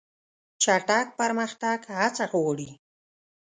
چټک پرمختګ هڅه غواړي.